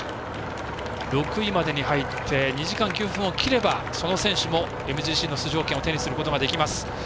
６位までに入って２時間９分を切ればその選手もＭＧＣの出場権を手にすることができます。